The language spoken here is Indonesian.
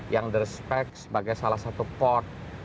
yang the respect sebagai salah satu port